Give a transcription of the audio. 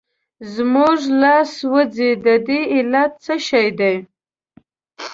زموږ لاس سوځي د دې علت څه شی دی؟